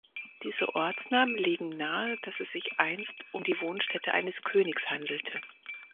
Diese Ortsnamen legen nahe, dass es sich einst um die Wohnstätte eines Königs handelte.